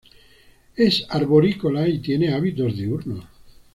Es arborícola y tiene hábitos diurnos.